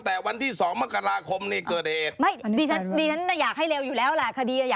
คือมีชะหางเสี่ยวด้วย